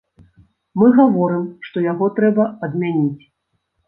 Мы гаворым, што яго трэба адмяніць.